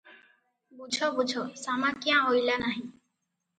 ବୁଝ ବୁଝ ଶାମା କ୍ୟାଁ ଅଇଲା ନାହିଁ ।